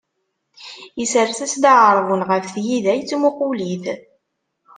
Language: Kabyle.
Isers-as-d aɛerbun ɣef tgida, yettmuqul-it.